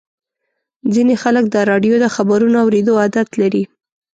ځینې خلک د راډیو د خبرونو اورېدو عادت لري.